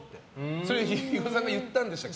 それ肥後さんが言ったんでしたっけ？